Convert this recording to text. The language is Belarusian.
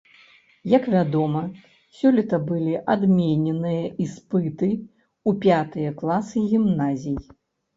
Як вядома, сёлета былі адмененыя іспыты ў пятыя класы гімназій.